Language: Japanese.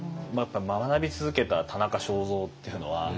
学び続けた田中正造っていうのはすごいし。